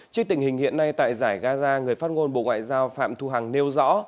trước tình hình hiện nay tại giải gaza người phát ngôn bộ ngoại giao phạm thu hằng nêu rõ